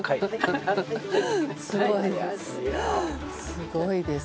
すごいです。